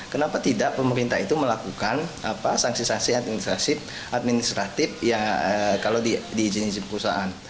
kenapa tidak pemerintah itu melakukan sanksi sanksi administrasif administratif kalau diizinkan perusahaan